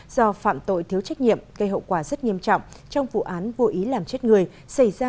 do phạm tội thiếu trách nhiệm gây hậu quả rất nghiêm trọng trong vụ án vô ý làm chết người xảy ra